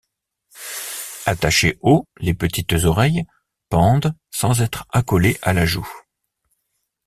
Attachées haut, les petites oreilles pendent sans être accolées à la joue.